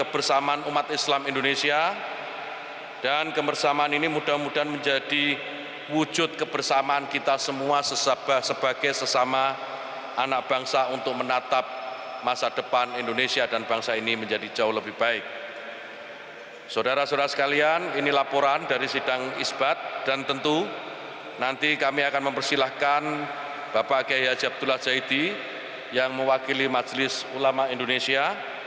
bapak kehiyat jatul adzaidi yang mewakili majelis ulama indonesia